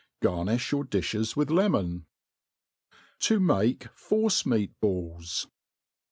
Garnifli your diflies with lemon. To male Force meat Balls.